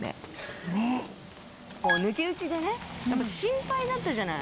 抜き打ちでねやっぱ心配だったじゃない。